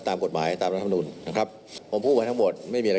ตามกฎหมายตามนะครับผมพูดกับทั้งหมดไม่มีอะไร